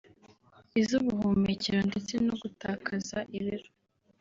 iz’ubuhumekero ndetse no gutakaza ibiro